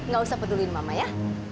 gak usah peduli mama ya